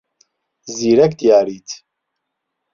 زیرەک دیاریت.